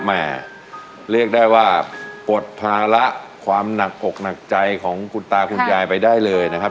แม่เรียกได้ว่าปลดภาระความหนักอกหนักใจของคุณตาคุณยายไปได้เลยนะครับ